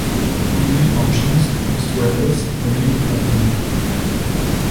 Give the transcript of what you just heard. Rooney options, post-Rebels, remain open.